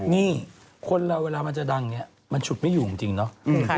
นี่คนเราเวลามันจะดังเนี่ยมันฉุดไม่อยู่จริงเนาะ